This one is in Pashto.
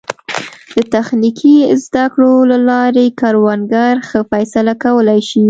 د تخنیکي زده کړو له لارې کروندګر ښه فیصله کولی شي.